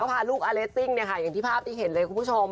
ภาพาลูกอเลสติ้งเนี่ยค่ะอย่างที่ภาพที่เห็นเลยคุณผู้ชม